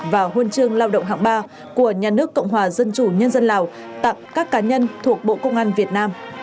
và huân chương lao động hạng ba của nhà nước cộng hòa dân chủ nhân dân lào tặng các cá nhân thuộc bộ công an việt nam